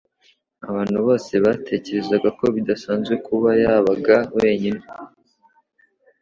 Abantu bose batekerezaga ko bidasanzwe kuba yabaga wenyine.